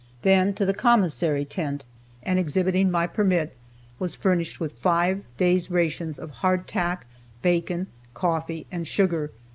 Then to the commissary tent, and exhibiting my permit, was furnished with five days' rations of hardtack, bacon, coffee, and sugar.